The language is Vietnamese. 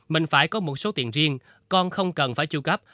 mình phải có một số tiền riêng con không cần phải tru cấp